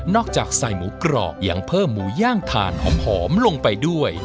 จากใส่หมูกรอบยังเพิ่มหมูย่างถ่านหอมลงไปด้วย